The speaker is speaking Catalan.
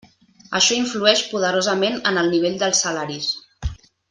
Això influeix poderosament en el nivell dels salaris.